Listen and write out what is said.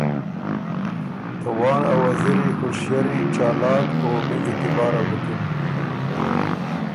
ته وانړ ا وزیری هوشئری، چالاک او بې اعتباره بُکِن